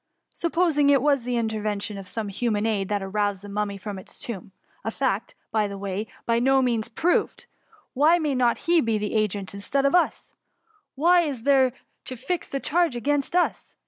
Supposing it was the intervention of some hu man aid that roused the Mummy from its tomb — a fact, by the way, by no paeans proved, why may not he be the agent instead of us ? 236 THE uvuur. What IB there to fix the charge against us?